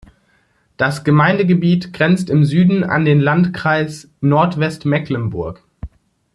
Das Gemeindegebiet grenzt im Süden an den Landkreis Nordwestmecklenburg.